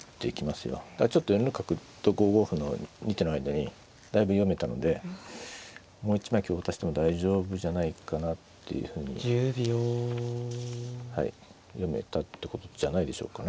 ちょっと４六角と５五歩の２手の間にだいぶ読めたのでもう一枚香渡しても大丈夫じゃないかなっていうふうに読めたってことじゃないでしょうかね。